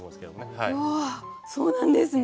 そうなんですね！